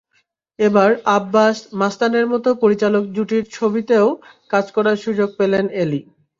এবার আব্বাস-মাস্তানের মতো পরিচালক জুটির ছবিতেও কাজ করার সুযোগ পেলেন এলি।